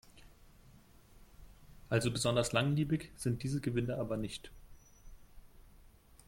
Also besonders langlebig sind diese Gewinde aber nicht.